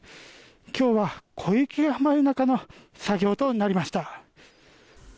今日は小雪が舞う中の作業となりました。